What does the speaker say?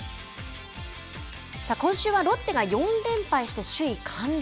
今週はロッテが４連敗して首位陥落。